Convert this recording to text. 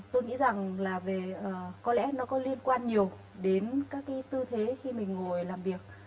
tôi nghĩ rằng là có lẽ nó có liên quan nhiều đến các cái tư thế khi mình ngồi làm việc